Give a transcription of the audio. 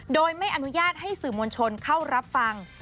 โดยไม่อนุญาตให้สื่อมวลชนเข้ารับฟัง